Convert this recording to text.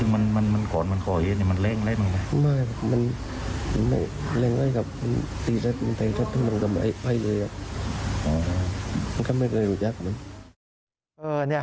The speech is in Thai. มันก็ไม่เคยรู้จักมัน